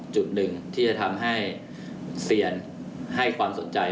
จุดหนึ่งที่จะทำให้เซียนให้ความสนใจ